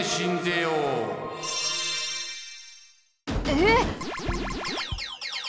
えっ！？